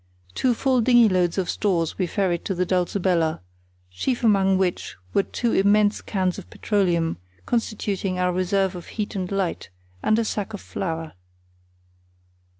Two full dinghy loads of stores we ferried to the Dulcibella, chief among which were two immense cans of petroleum, constituting our reserves of heat and light, and a sack of flour.